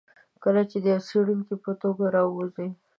کله چې د یوه څېړونکي په توګه راووځي.